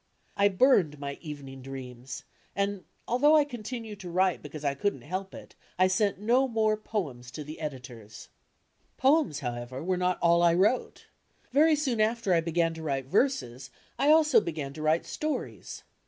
I burned my "Evening Dreams," and, although I continued to write because I couldn't help it, I sent no more poems to the editors. Poems, however, were not all I wrote. Very soon after I began to write verses I also began to write stories.